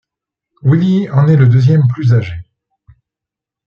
Willy en est le deuxième plus âgé.